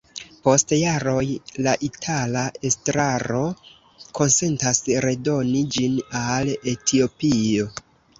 Post jaroj, la itala estraro konsentas redoni ĝin al Etiopio.